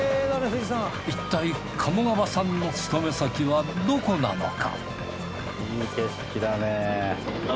いったい鴨川さんの勤め先はどこなのか？